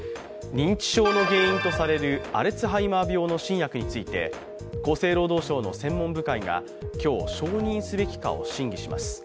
認知症の原因とされるアルツハイマー病の新薬について厚生労働省の専門部会が今日、承認すべきか審議します。